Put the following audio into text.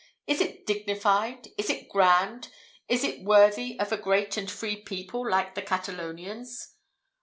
Is it dignified? Is it grand? Is it worthy of a great and free people like the Catalonians?"